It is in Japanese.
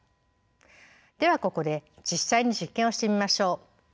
ではここで実際に実験をしてみましょう。